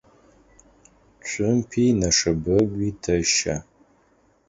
Цумпи нэшэбэгуи тэщэ.